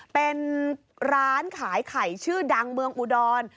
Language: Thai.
เป็นร้านขายไข่ชื่อดังเมืองอุดร